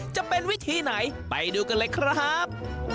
จะเป็นวิธีไหนไปดูกันเลยครับ